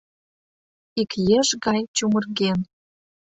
Ик еш гай чумырген